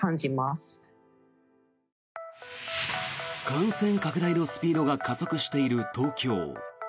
感染拡大のスピードが加速している東京。